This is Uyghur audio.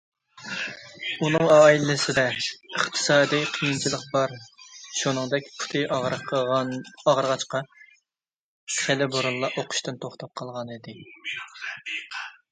ئۇنىڭ ئائىلىسىدە ئىقتىسادىي قىيىنچىلىق بار شۇنىڭدەك پۇتى ئاغرىغاچقا، خېلى بۇرۇنلا ئوقۇشتىن توختاپ قالغانىدى.